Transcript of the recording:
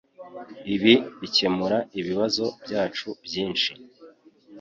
Ibi bikemura ibibazo byacu byinshi